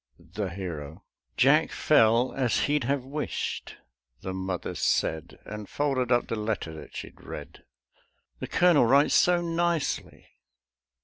THE HERO "Jack fell as he'd have wished," the Mother said, And folded up the letter that she'd read. "The Colonel writes so nicely."